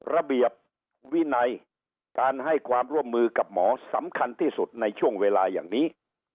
ระเบียบวินัยการให้ความร่วมมือกับหมอสำคัญที่สุดในช่วงเวลาอย่างนี้